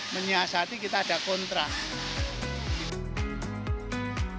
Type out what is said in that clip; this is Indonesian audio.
menyiasati kita ada kontrak